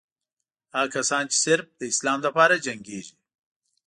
هغه کسان چې صرف د اسلام لپاره جنګېږي.